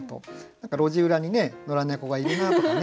何か路地裏にね野良猫がいるなとかね